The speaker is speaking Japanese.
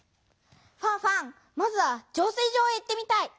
ファンファンまずは浄水場へ行ってみたい。